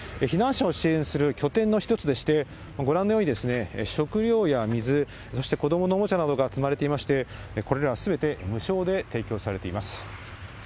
避難者を支援する拠点の一つでして、ご覧のように、食料や水、そして子どものおもちゃなどが積まれていまして、これらはすべて無償で提供されています。